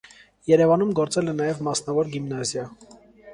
Երևանում գործել է նաև մասնավոր գիմնազիա։